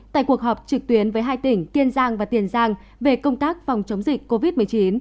tại cuộc họp trực tuyến với hai tỉnh kiên giang và tiền giang về công tác phòng chống dịch covid một mươi chín